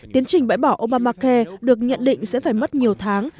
tiến trình bãi bỏ obamacare được nhận định sẽ phải mất nhiều tháng